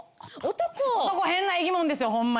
男変な生き物ですよホンマ